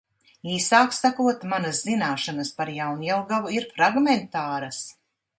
Īsāk sakot – manas zināšanas par Jaunjelgavu ir fragmentāras.